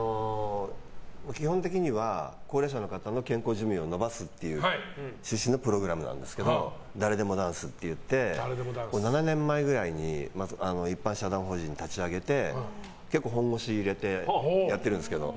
基本的には高齢者の方の健康寿命を延ばすっていう趣旨のプログラムなんですけどダレデモダンスっていって７年前ぐらいに一般社団法人を立ち上げて結構本腰入れてやってるんですけど。